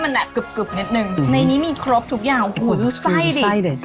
คือแทบจะไม่ได้เคี้ยวเลย